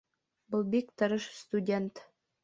Ул бик тырыш студент